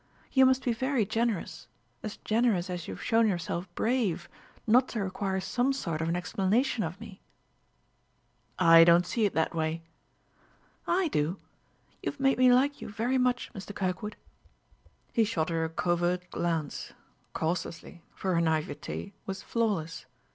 You must be very generous, as generous as you have shown yourself brave, not to require some sort of an explanation of me." "I don't see it that way." "I do ... You have made me like you very much, Mr. Kirkwood." He shot her a covert glance causelessly, for her naiveté was flawless.